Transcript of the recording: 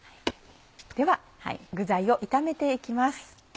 では具材を炒めて行きます。